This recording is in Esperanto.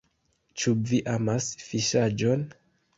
Ĉu vi amas fiŝaĵon?